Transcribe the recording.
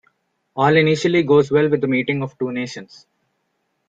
All initially goes well with the meeting of two nations.